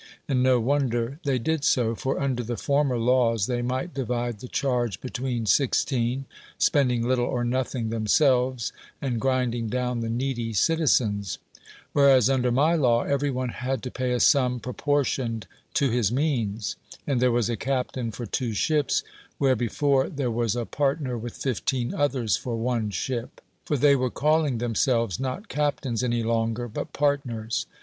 And no wonder they did so; for under the former laws they might divide the charge between sixteen, spending little or noth ing themselves, and grinding down the needy citizens ; whereas under my law every one had to pay a sum proportioned to his means, and there was a captain for two ships, where before there was a partner with fifteen others for one ship ; for they were calling themselves not captains any longer, but partners.